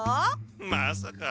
まさか。